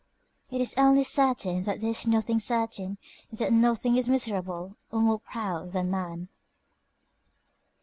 ["It is only certain that there is nothing certain, and that nothing is more miserable or more proud than man."